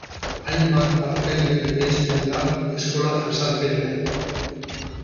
Hainbat partaide bereizten da eskola jazarpenean.